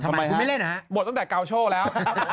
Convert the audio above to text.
ทำไมคุณไม่เล่นหมดตั้งแต่กาวโชว์